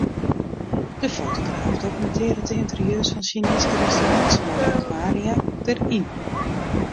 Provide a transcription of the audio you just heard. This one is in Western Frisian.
De fotograaf dokumintearret de ynterieurs fan Sjineeske restaurants mei de akwaria dêryn.